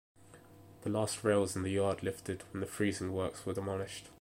The last rails in the yard lifted when the freezing works were demolished.